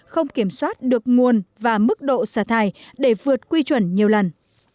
không kiểm soát được nguồn và mức độ xả thải để vượt quy chuẩn nhiều lần